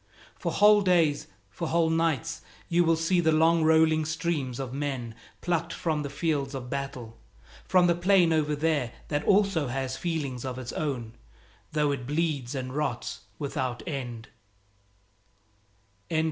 For whole days, for whole nights, you will see the long rolling streams of men plucked from the fields of battle, from the plain over there that also has feelings of its own, though it bleeds and rots without end.